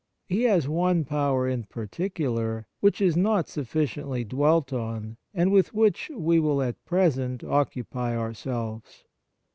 He has one power in particular, which is not sufficiently dwelt on, and with which we will at present occupy ourselves.